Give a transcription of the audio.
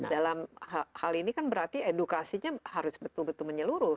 dalam hal ini kan berarti edukasinya harus betul betul menyeluruh